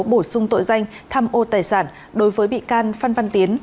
bổ sung tội danh tham ô tài sản đối với bị can phan văn tiến